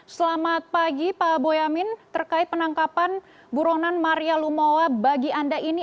selamat pagi pak boyamin terkait penangkapan buronan maria lumowa bagi anda ini